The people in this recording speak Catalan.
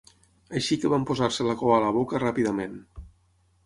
Així que van posar-se la cua a la boca ràpidament.